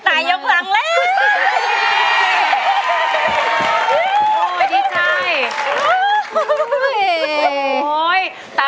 ได้ยังหลังเลย